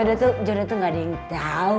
eh jodoh tuh gak ada yang tau